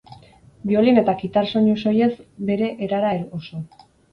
Biolin eta kitar soinu soilez, bere erara oso.